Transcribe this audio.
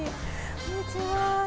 こんにちは。